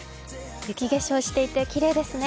雪化粧していて、きれいですね。